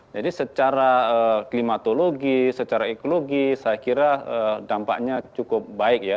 jadi secara klimatologi secara ekologi saya kira dampaknya cukup baik ya